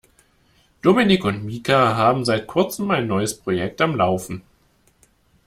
Dominik und Mika haben seit kurzem ein neues Projekt am Laufen.